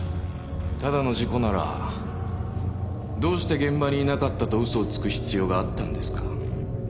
ただの事故ならどうして現場にいなかったと嘘をつく必要があったんですか？